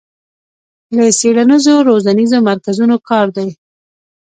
له څېړنیزو روزنیزو مرکزونو کار دی